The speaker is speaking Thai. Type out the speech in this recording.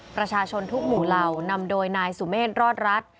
ประชาชนทุกหมู่เหล่านำโดยนายสุเมฆรอดรัฐ